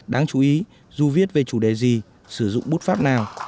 đáng chú ý dù viết về chủ đề gì sử dụng bút pháp nào